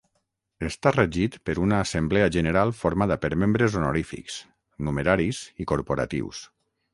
Està regit per una assemblea general formada per membres honorífics, numeraris i corporatius.